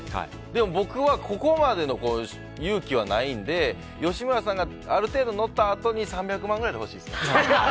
でも、僕はここまでの勇気はないんで吉村さんがある程度、乗ったあとに３００万くらいで欲しいですね。